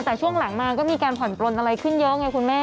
แต่ช่วงหลังมาก็มีการผ่อนปลนอะไรขึ้นเยอะไงคุณแม่